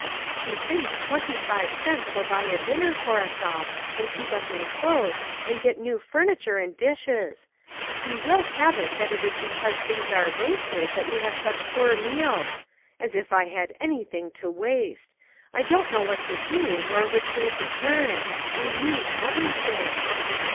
" He thinks twenty five cents will buy a dinner for us all, and keep us in clothes, and get new furniture, and dishes ! He will have it that it is because things are wasted that we have such poor meals. As if I had anything to waste ! I don't know what to do, nor which way to turn. We need everything."